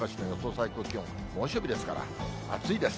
最高気温、猛暑日ですから、暑いです。